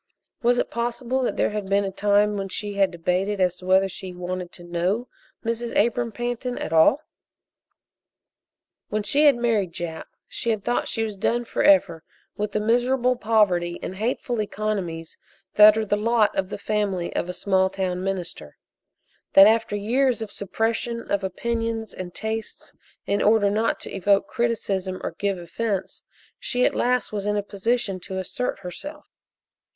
Was it possible that there had been a time when she had debated as to whether she wanted to know Mrs. Abram Pantin at all? When she had married Jap she had thought she was done forever with the miserable poverty and hateful economies that are the lot of the family of a small town minister; that after years of suppression of opinions and tastes in order not to evoke criticism or give offense, she at last was in a position to assert herself.